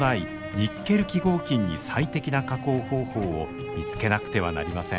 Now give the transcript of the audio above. ニッケル基合金に最適な加工方法を見つけなくてはなりません。